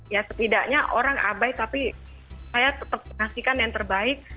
ya setidaknya orang abai tapi saya tetap ngasihkan yang terbaik